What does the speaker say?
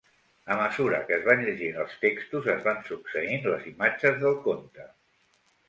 A mesura que es van llegint els textos es van succeint les imatges del conte.